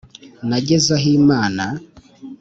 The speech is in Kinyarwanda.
Nageze aho Imana